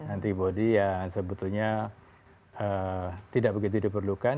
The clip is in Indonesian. antibody yang sebetulnya tidak begitu diperlukan